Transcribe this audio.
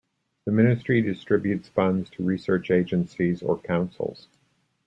The Ministry distributes funds to Research Agencies or Councils.